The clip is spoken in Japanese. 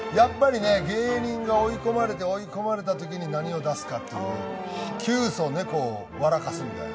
芸人が追い込まれて、追い込まれたときに何を出すかっていう、窮鼠猫を笑かすみたいな。